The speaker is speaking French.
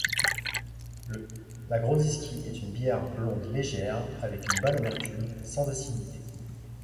La grodziskie est une bière blonde légère avec une bonne amertume, sans acidité.